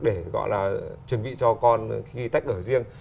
để chuẩn bị cho con khi tách ở riêng